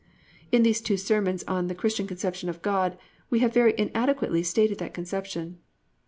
In these two sermons on "The Christian Conception of God" we have very inadequately stated that conception.